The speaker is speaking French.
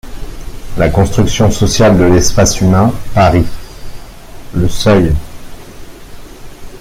La construction sociale de l’espace humain, Paris: Le Seuil.